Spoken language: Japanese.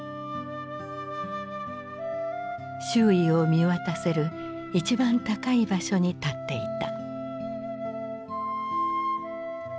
周囲を見渡せる一番高い場所に立っていた。